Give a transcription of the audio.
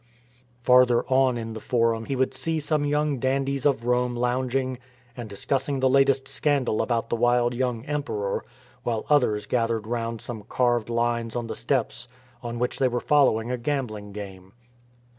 Farther on in the Forum he would see some young dandies of Rome lounging and discussing the latest scandal about the wild young emperor, while others gathered round some carved lines on the steps on which they were following a gambling game.